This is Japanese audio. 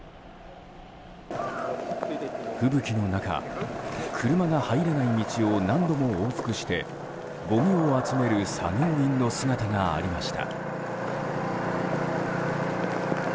吹雪の中車が入れない道を何度も往復してごみを集める作業員の姿がありました。